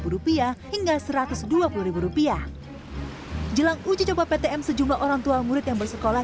delapan puluh lima rupiah hingga satu ratus dua puluh rupiah jelang uji coba ptm sejumlah orangtua murid yang bersekolah